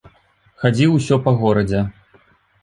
Хадзіў усё па горадзе.